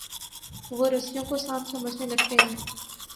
وہ رسیوں کو سانپ سمجھنے لگتے ہیں۔